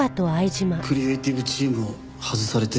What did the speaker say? クリエイティブチームを外されて。